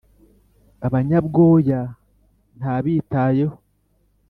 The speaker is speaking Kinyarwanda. Abanyabwoya ntabitayeho